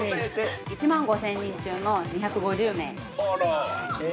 ◆１万５０００人中の２５０名です。